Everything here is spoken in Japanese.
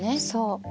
そう。